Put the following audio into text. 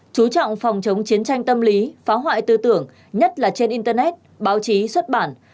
chú trọng phòng chống chiến tranh tâm lý phá hoại tư tưởng nhất là trên internet báo chí xuất bản